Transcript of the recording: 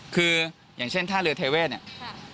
คืออย่างเช่นท่าเรือเทเวศเนี่ย